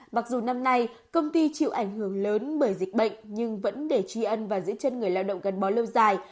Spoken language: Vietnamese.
mặc dù năm nay công ty chịu ảnh hưởng lớn bởi dịch bệnh nhưng vẫn để tri ân và giữ chân người lao động gắn bó lâu dài